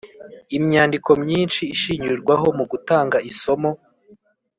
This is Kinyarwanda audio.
Imyandiko myinshi ishingirwaho mu gutanga isomo